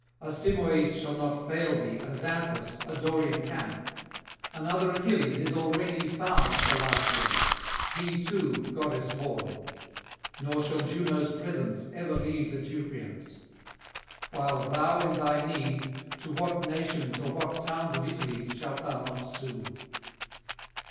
A Simoïs shall not fail thee, a Xanthus, a Dorian camp; another Achilles is already found for Latium, he too [90 123]goddess born; nor shall Juno's presence ever leave the Teucrians; while thou in thy need, to what nations or what towns of Italy shalt thou not sue!